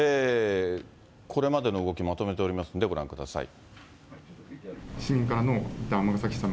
これまでの動き、まとめておりますのでご覧ください。